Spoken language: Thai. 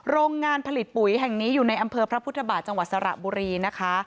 โรงงานผลิตปุ๋ยแห่งนี้อยู่ในอำเภอพระพุทธบาทจังหวัดสระบุรีนะคะ